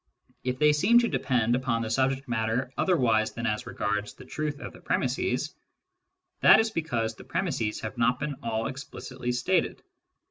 If they seem to depend upon the subject matter otherwise than as regards the truth of the premisses, that is because the premisses have not been all explicitly stated.